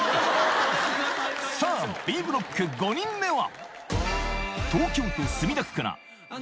さぁＢブロック５人目は？